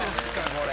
これ。